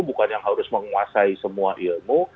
bukan yang harus menguasai semua ilmu